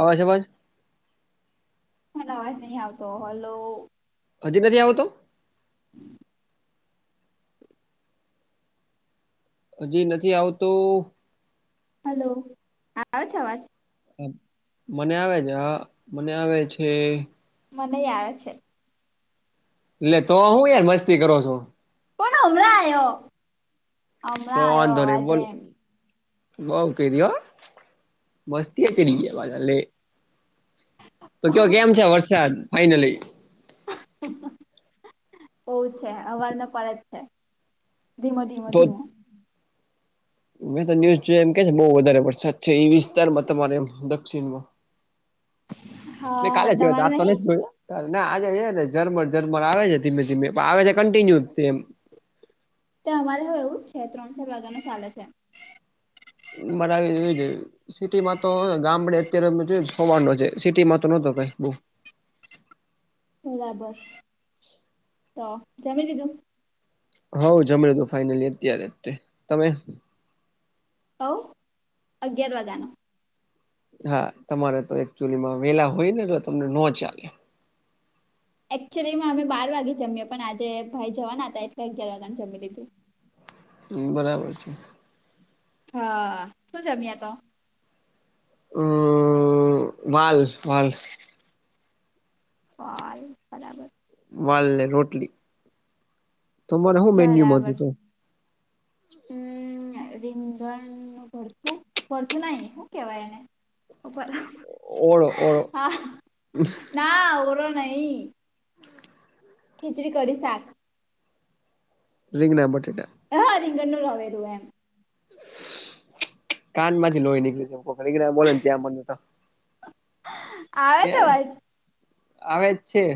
અવાજ અવાજ પણ અવાજ નહી આવતો હલો. હજી નથી આવતો. હજી નથી આવતો. હલો આવે છે અવાજ. હા મને આવે છે હ મને આવે છે. મનેય આવે છે. લે તો હું યાર મસ્તી કરો છો. પણ હમણાં આયો હમણાં આયો આવાજ એમ. બવ કીધી હો મસ્તીએ ચડી ગ્યા પાછા લે તો કે કેમ છે વરસાદ ફાઈનલી. બઉ છે હવાર નો પડે જ છે. ધીમો ધીમો તો ધીમો. મેં તો ન્યુઝ જોયા એમ કે છે બહુ વધારે વરસાદ છે ઈ વિસ્તારમાં તમારે એમ દક્ષિણમાં. મે હા કાલે જોયોતો તમારે આજ નહી નથ જોયો. ના આજે એ જરમર ઝરમર આવે છે ધીમે ધીમે પણ આવે છે કન્ટિન્યુ તેમ. તે અમારે હે એવું છે ત્રણ ચાર વાગ્યા નો ચાલે છે. મરાવી એવી [unintelligible] સિટીમાં તો ગામડે અત્યારે જોયુ હવાર નો છે સિટીમાં તો નતો કઈ બઉ. બરાબર તો જમી લીધું. હા વુ જમ્યું લીધું ફાઈનલી અત્યારે તે તમે. હઓ અગિયાર વાગાન. હા તમારે તો એકચુલીમાં વેલા હોય ને તો તમને નો ચાલે. એકચ્યુઅલીમાં અમે બાર વાગે જમીએ પણ આજે ભાઈ જવાના હતા એટલે અગિયાર વાગ્યા ને જમી લીધું. હમ્મ બરાબર છે. હા શું જમ્યા તો? [unintelligible] વાલ વાલ. હા, બરાબર. વાલ ને રોટલી, તમારે શું મેન્યુ બરાબર હતું? હમ, રીંઘણ ન ભરું ભરતું, નાઈ શું કેવાય એને? ઉપર. ઓળો, ઓળો. હા ના, ઓળો નહીં. ખિચડી, કડી, શાક. રીંગણા, બટેટા. હા, રીંગણનું રવેલું એમ. કાન માંથી લોહી નીકળી છે, કોઈ રીંગણા બોલે ને, ત્યાં મને તો. આવે એ છે, અવાજ. આવે જ છે.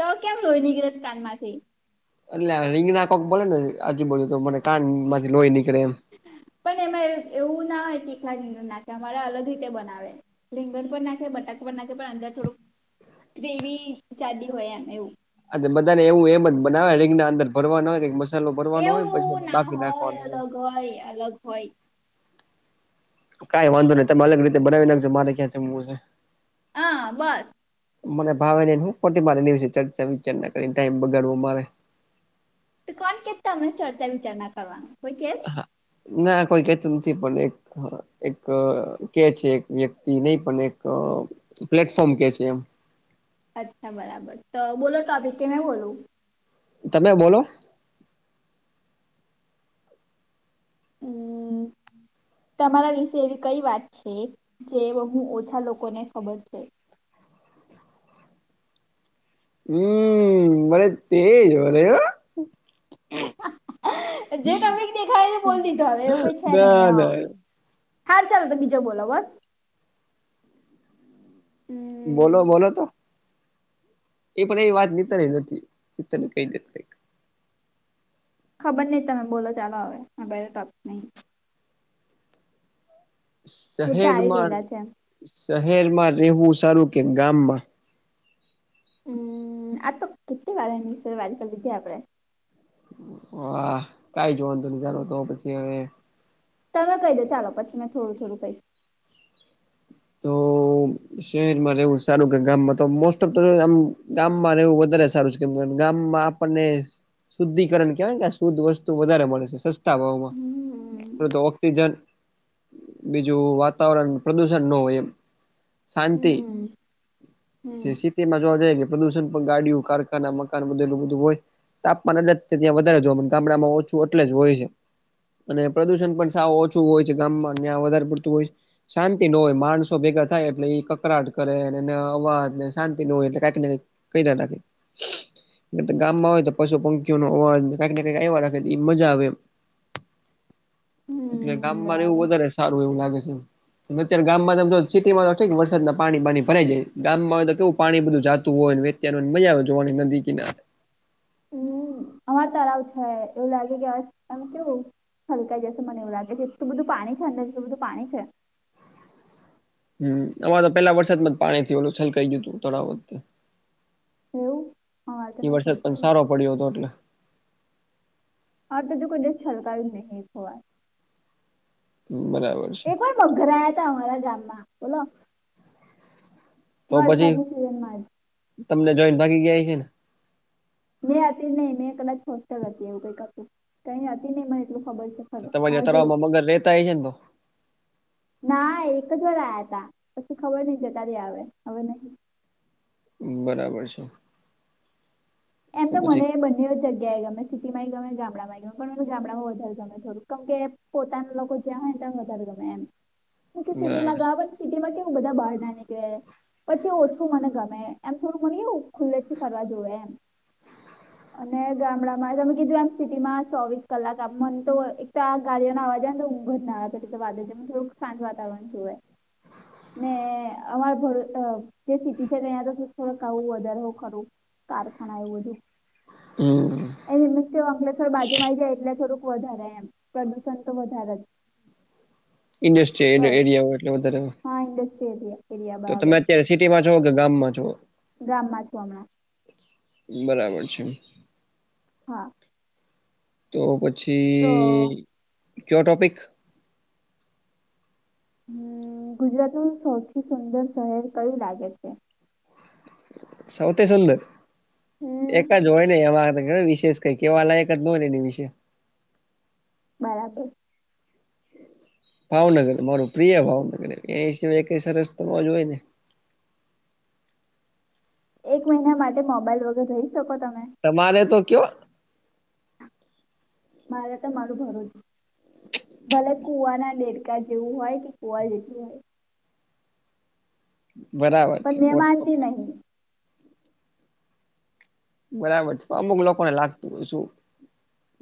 તો કેમ લોહી નીકળે છે, કાન માંથી. એટલે રીંગણા કોક બોલે ને, આજુબાજુ તો મને કાન માંથી લોહી નીકળે એમ. પણ એમાં એવું ના હોય કે, ખાલી રીંગણા મારા અલગ રીતે બનાવે. રીંગણ પણ નાખે, બટાકા પર નાખે, પણ અંદર થોડુંક ગ્રેવી જાડી હોય એ એવું. અ બધાને એવું એમ જ બનાવે, રીંગણા ના અંદર ભરવાનું હોય ને, એક મસ્ત એવું ના હોય, અલગ હોય, અલગ હોય. કઈ વાંધો નહી, તમે અલગ રીતે બનાવી નાખજો, મારે ક્યાં જમવું છે. હા, બસ. મને ભાવે નહી, હું ખોટી મારે એના વિશે ચર્ચા વિચારણા કરીને ટાઈમ બગાડવો મારે. કોણ કે, તમને ચર્ચા વિચારણા કરવાનું, કોઈ કે હા, ના કોઈ કેતું નથી, નથી પણ એક. એક કે છે, એક વ્યક્તિ નહીં, પણ એક પ્લેટફોર્મ કે છે, એમ. અચ્છા, બરાબર, તો બોલો ટોપિક કે મે બોલું. તમે બોલો? હમ. તમારા વિશે એવી કઈ વાત છે, જે બહુ ઓછા લોકોને ખબર છે. હમ, ભલે તેજ અરે વાહ. જે તમે દેખાય એ બોલ દીધો, હવે એવું કોઈ છે, નહી ના હા. ના હા, ચાલ, તો બીજા બોલો, બસ. અમ, બોલો, બોલો તો? એ પણ એ વાત નીત નથી, કઈ દી. ખબર નહીં, તમે બોલો, ચાલો? હવે ટોપિક નહીં. બધા આવી શહેરમાં ગયેલા છે અમ, શહેરમાં રહેવું, સારું કે ગામમાં. હમ, આ તો કેટલી વાર એની, સર વાત કરી લીધી, આપણે. હા, કંઈ જોવાનું, તો નજારો તો પછી હવે. તમે કહી દો, ચાલો, પછી મેં થોડું થોડું કશું. તો. શહેરમાં રહેવું સારું કે ગામમાં તો મોસ્ટ ઓફ તો આમ ગામમાં રહેવું વધારે સારું છે કેમ ગામમાં આપણને શુદ્ધિકરણ કેવાય કે આ શુદ્ધ વસ્તુ વધારે મળે હમ છે ઓક્સિજન બીજું વાતાવરણ પ્રદૂષણ સર નો વય શાંતિથી હમ હમ શી તેમાં જોવા જાય કે પ્રદુષણ પણ ગાડીઓ કારખાના મકાન બધેલું બધું હોય તાપમાન એટલે ત્યાં વધારે જોવા ગામડામાં ઓછું એટલે જ હોય છે. અને પ્રદુષણ પણ સાવ ઓછું હોય છે ગામમાં વધારે પડતું હોય છે શા ઈ ન હોય માણસો ભેગા થાય એટલે એ કકરાટ કરે અવાજને શાંતિ ન હોય એ કઈક ને કઈક કરયા લાગે એ તો ગામમાં હોય તો પશુ પંખી નો અવાજ કઈકને કંઈક એવા રાખે એ મજા આવે એમ એટલે હમ ગામમાં એવું બરાબર વધારે સારું એવું લાગે છે. અત્યારે ગામમાં સમજો સિટીમાં તો થ વરસાદ ના પાણી પાણી ભરાઈ જાય ગામમાં આવેય તો કેવું પાણી બધું જાતું હોય ત્યારે મજા આવે જોવાની નદી કિનારે હમ અમાર તળાવ છે એવું લાગે કે એમ કેવું છલકાઇ જશે મને એવું લાગે છે એલું બધું પાણી છે અંદાજું બધું પાણી છે હમ્મ આમારે તો પેલા વરસાદમાં પાણીથી ઓલું છલકાય ગયું હતું તળાવ જ તે એવું અમારે તો એ નહી વરસાદ પણ છલકાયું સારો પડ્યો હતો એટલે. હ તો જો કોઈ દિશ છલકાાવી નહી હોવા બરાબર છે એ પણ મઘર આયાતા અમારા ગામમાં બોલો તો પછી વલસાદની સિઝનમાંજ તમને જોઈન ભાગી ગયા હશેને મેં હતી નહી મેં કદાચ હોસ્ટેલ હતી એવું કઈક હતું કઈ હતી નહી મને એટલું ખબર છે. તો ખરું તમારી મારે જો તળાવમા રહેતા હોય છે ને તો ના એક જ વાર આયા હતા પછી ખબર નહિ જતા રીયા આવે હબર નહ બરાબર છે. એમ તો મને એ બ બેય જગ્યાએ ગમે સિટી માંય ગમે, ગામડામાંય ગમે, પણ મને ગામડામાં વધારે ગમે થોડું કેમ કે પોતાના લોકો જ્યાં હોય ત્યાં વધારે ગમે એમ બરાબર સિટિમાં સિટીમાં કેવું બધા બહાર ના નીકળે. પછી ઓછું મને ગમે એમ થોડું મને એવું ખુલ્લેથી ફરવા જવુ એમ અને ગામડામાં તમે કીધું એમ સિટીમાં ચોવીસ કલાક આમ મને તો એકતા ગાડીઓ ના અવાજ તો ઉધના વાદ છે થોડક શાંત વાતાવરણ શું [inaudible] [inaudible] કારખાના એવું બધું હમ્મ એમ કે અંકલેશ્વર બાજુમાં આવી જાય એટલે થોડુંક વધારે એમ પ્રદુષણ તો વધારે જ ઇન્ડસ્ટ્રીયલ બસ એરિયા એટલે વધારે હા ઇન્ડસ્ટ્રીયલ એરિયા એરિયા તો તમે બરાબર અત્યારે સિટીમાં છો કે ગામમાં છો. ગામમાં છું હમણાં બરાબર છે. હા તો તો હમ, પછી કયો ટોપિક હમ્મ ગુજરાતનું સૌથી સુંદર શહેર કયું લાગે છે. સૌથી સુંદર એક હમ જ હોય નને એમાં વિશેષ કઈ કેવાલાયક જ નો હોય એની વિશે બરાબર ભાવનગર, મારું પ્રિય ભાવનગર એિય ક સર રસ્તામાં જોય ને એક મહિના માટે મોબાઈલ વગર રહી શકો તમે તમારે તો કયો મારે તો મારું ઘર જ ભલે કુવાના ડેર જેવું હોય કે કુવા જેતું હોય બરાબર પણ છે મે માનતી પોતપોતાનું. નહી. બરાબર છે અમુક લોકોને લાગતું હોય શું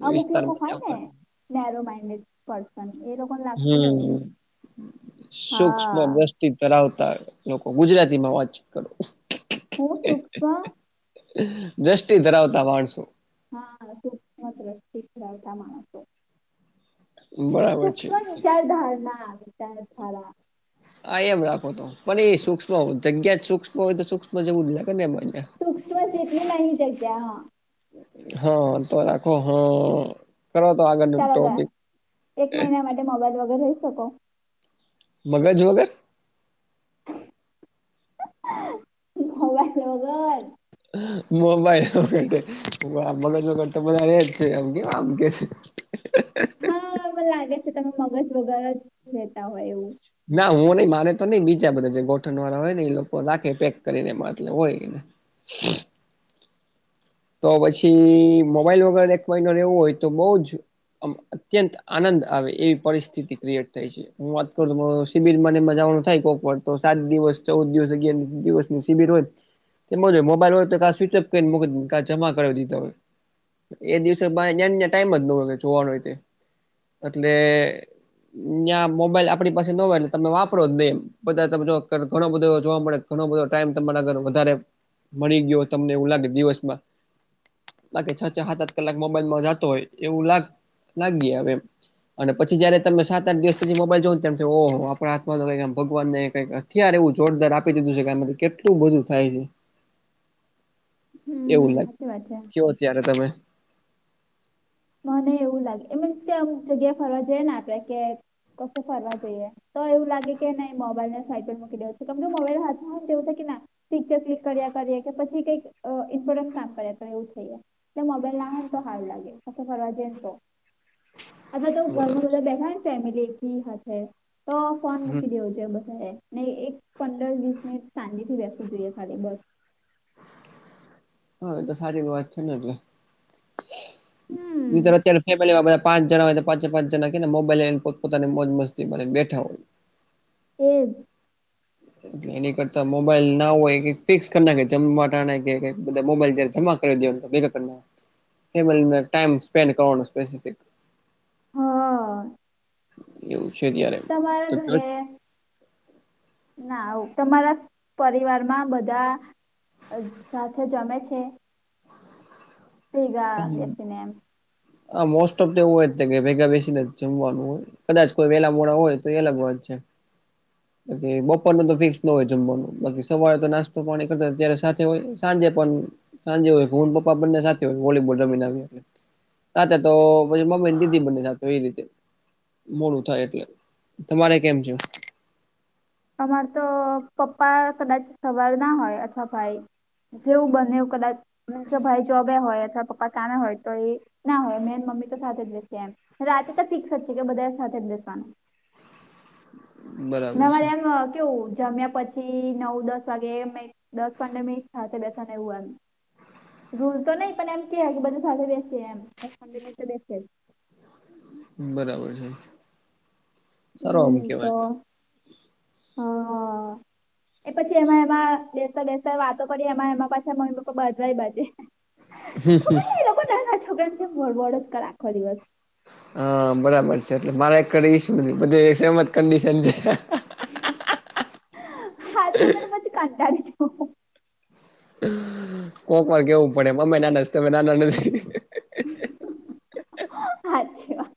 અમુક લોકો હોય ને વિસ્તારમાં નેરો માઇન્ડેડ પર્સન એ લોકો હમ્મ હા સુક્ષ્પદ તી ધરાવતા લોકો, ગુજરાતીમાં વાતચીત કરો. હું સુક્ષ્મ દ્રષ્ટિ ધરાવતા માણસો. હા, સૂક્ષ્મ દ્રષ્ટિ ધરાવતા માણસો. બરાબર છે સૂક્ષ્મ વિચાર ધારણા, વિચાર ધારા હા એમ રાખો તો, પણ એ સૂક્ષ્મ હો, જગ્યા જ સૂક્ષ્મ હોય તો સૂક્ષ્મ જવું જ લાગે ને ભઇ ને. સુક્ષ્મ જેટલી નાની જાય ત્યા. હા તો રાખો હ, કરો તો આગળનું ચાલો તો ટોપિક. એક મહિના માટે મોબાઈલ વગર રહી શકો? મગજ વગર? મોબાઈલ વગર મોબાઈલ વગ, આ મગજ વગર તો બધા રેજ છે આમ કે આમ કે હા, મને લાગે છે તમે મગજ વગર જ લેતા હોય એવું. ના હું નહી, મારે તો નઈ, બીજા બધા જે ગોઠણ વાળા હોય ને, એ લોકો રાખે પેક કરીને એટલે હોયને. [inaudible] તો પછી, મોબાઈલ વગર એક મહિનો રહેવું હોય તો બઉજ અમ અત્યંત આનંદ આવે, એવી પરિસ્થિતિ ક્રિએટ થાય છે. હું વાત કરું, તો મો શિબિર મા ને એમાં જાવાનું થાય કોક વાર તો, સાત દિવસ, ચૌદ દિવસ, અગિયાર દિવસ. શિબિર હોત, તેમાં હોય મોબાઈલ હોય તો કા સ્વિચ ઓફ કરીને મુકીદ, કા જમા કરાવી દીધા હોય. એ દિવસે ભઈ બેન ને ટાઈમ જ ન હોય કે જોવાનોય, એટલે ન્યાં મોબાઈલ આપણી પાસે ન હોય, તો તમે વાપરો જ દેમ બધા તા જોબ કરે, ઘણો બધો જોવા મળે ઘણો બધો ટાઈમ તમારા ગર વધારે મળી ગયો તમને એવું લાગે દિવસમાં. બાકી છ, છ, હાત હાત કલાક મોબાઈલમાં જતો હોય એવું લાગ, લાગીયે હવે. અને પછી જયારે તમે સાત આઠ દિવસ પછી મોબાઈલ જોવોને, તો એમ થાય ઓહો આપણા હાથમા તો કઈ આમ ભગવાન ને કઈ ત્યારે એવું જોરદાર આપી દીધું છે, કે એમાંથી કેટલું બધું થાય છે. એવું લાગ કે વા છે? કયો ત્યારે તમે. મને એવું લાગે, એ મીન્સ કે અમુક જગ્યા ફરવા જઈએ ને આપડે, કે કસે ફરવા જઈએ. તો એવું લાગે કે નહીં મોબાઈલ ને સાઈટ પર મકી દેવુ છે, કેમ કે મોબાઈલ હાથમાં દવું થ કે ના પિક્ચર ક્લિક કર્યા કરીએ, કે પછી કઈક અ ઇમ્પોર્ટન્ટ કામ કર્યા કરે એવું થઈ જાય. એટલે મોબાઈલ ના હોય તો હારુ લાગે. કસે ફરવા જયને તો, અઠવાતો ઘરમાં બરાબર બધા બેઠા ને ફેમિલી એકી હાથે. તો ફોન હમ મૂકી દેવું જોઈયે બધાએ. ને એક પંદર વીસ મિનિટ શાંતિ થી બેસવું જોઈએ સાથે બસ. હા એ તો સચી વાત છે ને એટલે, હમ નિતો અત્યારે ફેમિલીમાં બધ પાંચ જણા હોય તો પાંચે પાંચ જણા કે ને મોબાઈલ લઈને પોતાની મોજ મસ્તીને બેઠા હોય. એ જ [inaudible] એ એની કરતા મોબાઈલ ના હોય ફિક્સ કર ના જમવા બધા મોબાઈલ જયારે જમા. [unintelligible] એ મ ટાઈમ સ્પેન્ડ કરવાનો સ્પેસફિક. હા એવું છે ત્યારે તો તમારા ક. ઘરે ના તમારા પરિવારમાં બધા. સાથે જમે છે. આમ [unintelligible] આ મોસ્ટ ઓફ તો એવ હોય જ કે ભેગા બેસી નથી જમવાનું હોય. કદાચ કોઈ વેલા મોડા હોય તો એ અલગ વાત છે. બપોર ન તો ફિક્સ ન હોય જમવાનું બાકી સવારે તો નાસ્તો પાણી કરતા અ્યારે સાથે હોય સાંજે પણ સાંજે હોય હ પપ્પા બંને સાથે હોય વોલીબોલ જમન આપ સાથે તો પછી મમ્મીને દીદી બંને સાથે એ રીતે મોડું થાય એટલે તમારે કેમ છે? અમારે તો પપ્પા કદાચ સવાર ના હોય અથવા ભાઈ જેવું બને એવ કદાચ મીન્સ કે ભાઈ જોબે હોય અથવા પપ્પા કામે હોય તો એ ના હોય મેં મમ્મી તો સાથે જ લશે એમ રાતે તો ફિક્સ જ છે કે બધા સાથે જ બેસવાનું. બરાબર છે રે એમ કેવું જમ્યા પછી થી નવ દસ વાગે દસ પંદર મિનિટ સાથે બેસને એવું આવ રૂલ તો નહી પણ એમ કે કે બધું સાથે બેસી એમ બરાબર છે સારું આમ હમ તો કેવાય છે. [inaudible] હા એ પછી એમાં એમાં બેસતા બેસતા વાતો કરી એમાં એમાં પાછા મમ્મી પપ્પા બધવાય બાજે [inaudible] [unintelligible] વડ જ કર રાખવા દિવસ. હા બરાબર છે એટલે મારે એક કરી શું બધે સેમ જ કડીશન છે. હા. [inaudible] [unintelligible] કોક વાર કેવું પડે પણ અમે નાના સી તમે નાના નથી અચ્છી વા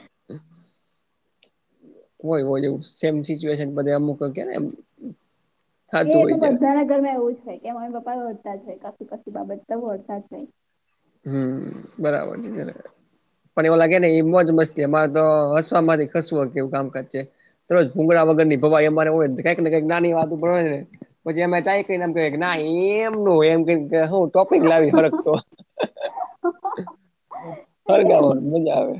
[inaudible] હોય હો એવ સેમ સિચ્યુએશન બધમક કેનેમ. એ એમાં બધાના ઘર માં એવું હોય કે મમ્મી પપ્પા વળરતા જ છે કાસી કાસી બાબત વળતા જ હમ્મ બરાબર છે જ. પણ એવું લાગે ને એ મોજ મસ્તી અમારે તો હસવા માંથી ખસવું કે એવું કામકાજ છે. રજ ભુંગડા વગર ની ભવાઈ અમારે હોય કંઈકને કંઈક નાની વાત પણય ને. પછી એમે ચાય કને એમ કેવાય કે ના એમ નો એમ ટોપિક લાવી ફરગ તો ફરગ સેમ મજા આવે.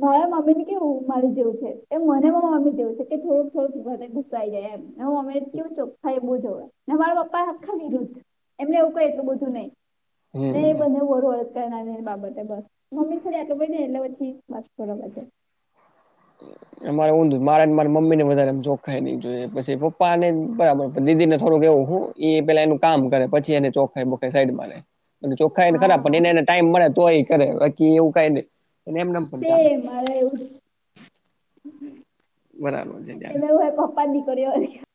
મારા મમ્મી ને કેવું મારે જેવું છે એ મનેમાં મમ્મી જેવું છે કે થોડુંક થોડુંક ગુસાઈ જાય એમ હું અમે કેવું ચોખા એ બુ જોવાને મારા પપા એ આખારુદ્ધ એમને એવું ક એટલ બધું નઈ નહી એ હમ બંને વર વરદ કરનારની બાબતે બસ મમ્મી થોડી આટલ ભ ને એટલે પછી પાંચ પરો બજાર [inaudible] મારે ઉંધુ મારેને મારી મમી ને વધારે જોખાઈ ન જો પછી પપ્પા ને બરાબર દીદી ને થોડુક એવું એ પેલા એનું કામ કરે પછી એને ચોખાઈ બખાય સાઈડ માં લે. ચોખા એને ખરા પણ હા એને એને ટાઈમ મળે તો એ કરે બાકી એવું કઈ નહી એમ નામ પણ ચાલે. સેમ મારે એવું બરાબર છે ત્યારે તમે એવું પપ્પા નીકળ્યો.